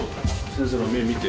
先生の目見て。